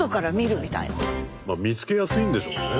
まあ見つけやすいんでしょうね。